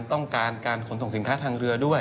ต้องการการขนส่งสินค้าทางเรือด้วย